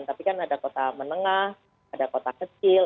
tapi kan ada kota menengah ada kota kecil